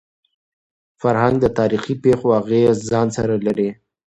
فرهنګ د تاریخي پېښو اغېز ځان سره لري.